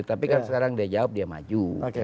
tapi kan sekarang dia jawab dia maju